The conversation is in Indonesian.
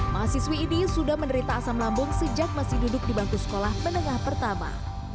mahasiswi ini sudah menderita asam lambung sejak masih duduk di bantu sekolah menengah pertama